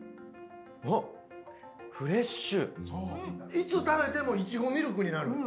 いつ食べてもいちごミルクになる。